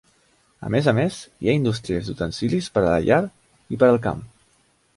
A més a més hi ha indústries d'utensilis per la llar i per al camp.